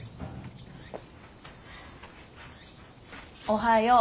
おはよう。